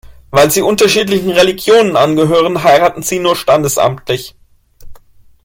Weil sie unterschiedlichen Religionen angehören, heiraten sie nur standesamtlich.